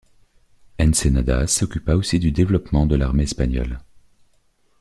Ensenada s'occupa aussi du développement de l'armée espagnole.